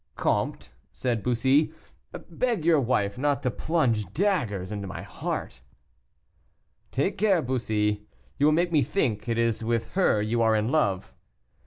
"Comte," said Bussy, "beg your wife not to plunge dagger in my heart." "Take care, Bussy; you will make me think it is with her you are in love."